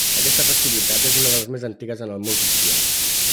Aquesta festivitat és una de les més antigues en el món cristià.